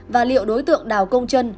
và liệu đối tượng đảo công trân